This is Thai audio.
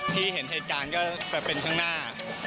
เห็นเหตุการณ์ก็จะเป็นข้างหน้า